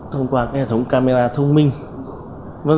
thông qua cái hệ thống camera thông minh